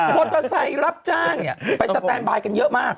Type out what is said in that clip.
โภตาไตรรับจ้างเนี่ยไปสแตนค์ไบล์กันเยอะมาก